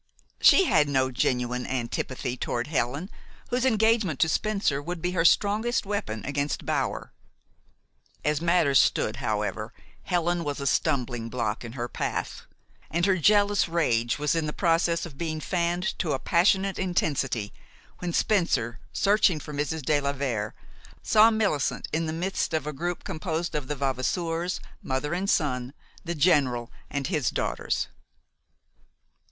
She had no genuine antipathy toward Helen, whose engagement to Spencer would be her strongest weapon against Bower. As matters stood, however, Helen was a stumbling block in her path, and her jealous rage was in process of being fanned to a passionate intensity, when Spencer, searching for Mrs. de la Vere, saw Millicent in the midst of a group composed of the Vavasours, mother and son, the General, and his daughters.